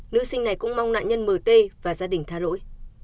nữ sinh này cũng mong nạn nhân mt và gia đình tha lỗi